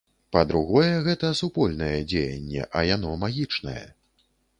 Па-другое, гэта супольнае дзеянне, а яно магічнае.